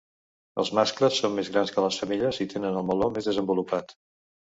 Els mascles són més grans que les femelles i tenen el meló més desenvolupat.